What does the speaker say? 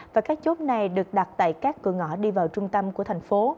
và các chốt này được đặt tại các cửa ngõ đi vào trung tâm của thành phố